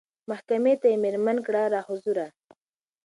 محکمې ته یې مېرمن کړه را حضوره